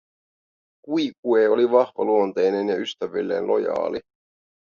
Quique oli vahvaluonteinen ja ystävilleen lojaali.